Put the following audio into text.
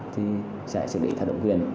thì sẽ xử lý thay đổi quyền